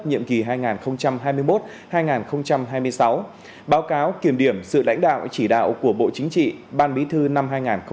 nhiệm kỳ hai nghìn hai mươi một hai nghìn hai mươi sáu báo cáo kiểm điểm sự lãnh đạo chỉ đạo của bộ chính trị ban bí thư năm hai nghìn hai mươi